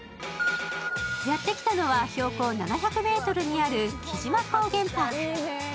やって来たのは標高７００ｍにある城島高原パーク。